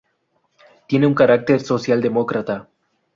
Tiene un carácter socialdemócrata.